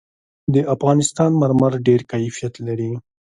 د افغانستان مرمر ډېر کیفیت لري.